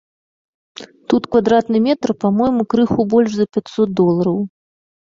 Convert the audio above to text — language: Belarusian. Тут квадратны метр, па-мойму, крыху больш за пяцьсот долараў.